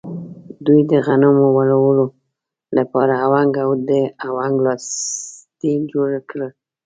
دوی د غنمو وړلو لپاره اونګ او د اونګ لاستی جوړ کړل.